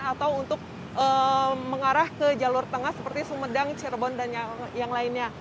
atau untuk mengarah ke jalur tengah seperti sumedang cirebon dan yang lainnya